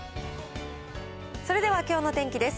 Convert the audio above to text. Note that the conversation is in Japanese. それではきょうの天気です。